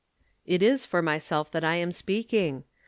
"It is for myself that I am speaking.